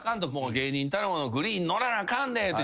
芸人たるものグリーン乗らなあかんでって。